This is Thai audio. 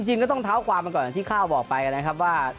จริงก็ต้องเท้าความมาก่อนอย่างที่ข้าวบอกไปนะครับว่า